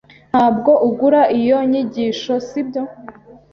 Ntabwo ugura iyo nyigisho, sibyo?